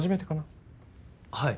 はい。